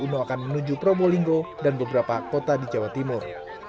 kuno akan menuju probolinggo dan beberapa kota di jawa timur